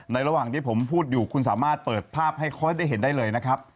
ระหว่างที่ผมพูดอยู่คุณสามารถเปิดภาพให้ค่อยได้เห็นได้เลยนะครับ